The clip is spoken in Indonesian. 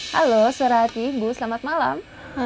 halo suara hati bu selamat malam